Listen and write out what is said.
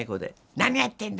「何やってんだ！